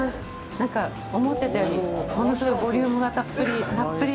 なんか思ってたより物すごいボリュームがたっぷりたっぷり。